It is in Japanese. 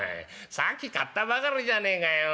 さっき買ったばかりじゃねえかよ」。